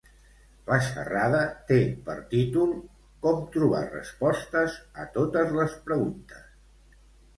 La xerrada té per títol "Com trobar respostes a totes les preguntes".